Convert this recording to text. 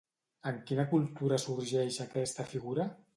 En quina cultura sorgeix aquesta figura?